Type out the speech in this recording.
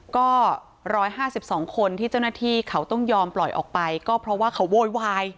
ก็๑๕๒คนที่เจ้าหน้าที่เขาต้องยอมปล่อยออกไปก็เพราะว่าเขาโวยวาย